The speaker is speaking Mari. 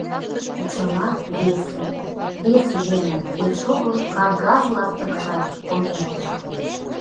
Чыла весын, вес еҥын, эсогыл кагаз ластыкшат, конвертшат.